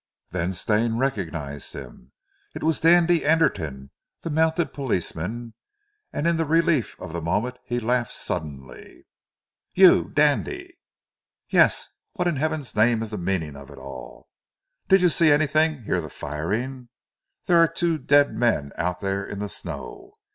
Then Stane recognized him. It was Dandy Anderton, the mounted policeman, and in the relief of the moment he laughed suddenly. "You, Dandy?" "Yes! What in heaven's name is the meaning of it all? Did you see anything? Hear the firing? There are two dead men out there in the snow."